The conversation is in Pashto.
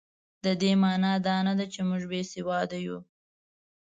د دې مانا دا نه ده چې موږ بې سواده یو.